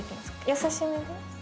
優しめで？